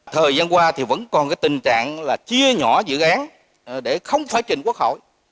thời gian qua thì vẫn còn cái tình trạng là chia nhỏ dự án để không phải trình quốc hội